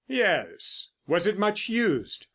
"Yes." "Was it much used?"